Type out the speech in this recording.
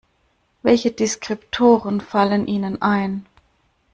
Welche Deskriptoren fallen Ihnen ein?